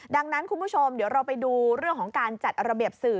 ดังนั้นคุณผู้ชมเดี๋ยวเราไปดูเรื่องของการจัดระเบียบสื่อ